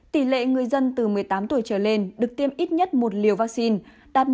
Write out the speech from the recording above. tỷ lệ người dân từ một mươi tám tuổi trở lên được tiêm ít nhất một liều vaccine đạt một trăm một mươi ba ba mươi chín